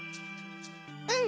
うん！